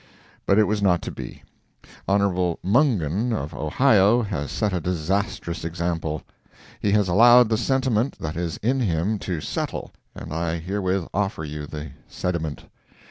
But it was not to be. Hon. Mungen, of Ohio, has set a disastrous example. He has allowed the sentiment that is in him to settle, and I herewith offer you the sediment.